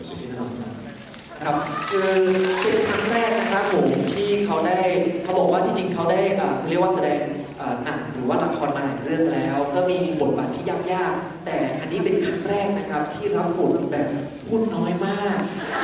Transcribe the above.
คือเป็นครั้งแรกนะครับผมที่เขาได้เขาบอกว่าจริงเขาได้เรียกว่าแสดงหนังหรือว่าละครมาหลายเรื่องแล้วก็มีบทบาทที่ยากยากแต่อันนี้เป็นครั้งแรกนะครับที่รับบทแบบหุ้นน้อยมาก